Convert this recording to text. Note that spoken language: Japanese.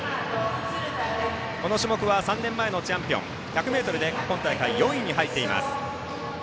この種目は３年前のチャンピオン１００ｍで今大会４位に入っています。